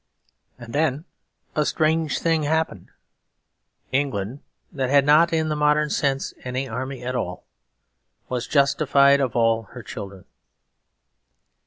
And then a strange thing happened. England, that had not in the modern sense any army at all, was justified of all her children.